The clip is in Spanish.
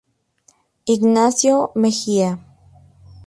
Ignacio Mejía.